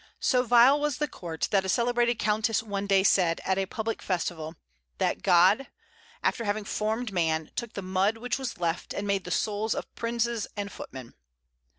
So vile was the court, that a celebrated countess one day said, at a public festival, that "God, after having formed man, took the mud which was left, and made the souls of princes and footmen."